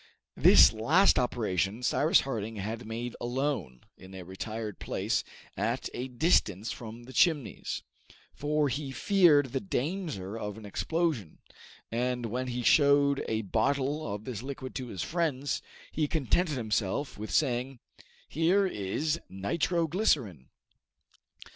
This last operation Cyrus Harding had made alone, in a retired place, at a distance from the Chimneys, for he feared the danger of an explosion, and when he showed a bottle of this liquid to his friends, he contented himself with saying, "Here is nitro glycerine!"